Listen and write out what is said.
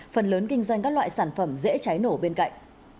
phần lớn kinh doanh các loại sản phẩm dễ cháy nổ bên cạnh